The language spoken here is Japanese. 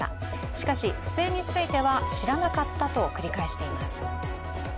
しかし、不正については知らなかったと繰り返しています。